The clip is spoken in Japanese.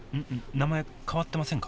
名前変わってませんか？